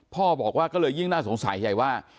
พ่อบอกว่าก็เลยยิ่งน่าสงสัยใหญ่ว่า